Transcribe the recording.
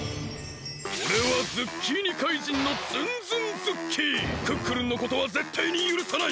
おれはズッキーニ怪人のクックルンのことはぜったいにゆるさない！